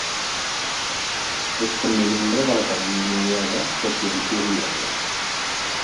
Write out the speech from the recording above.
És també membre de l'Acadèmia Noruega de Ciències i Lletres.